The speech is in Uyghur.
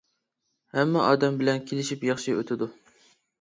ھەممە ئادەم بىلەن كېلىشىپ ياخشى ئۆتىدۇ.